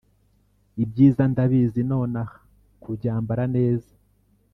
ibyiza, ndabizi nonaha, kubyambara neza,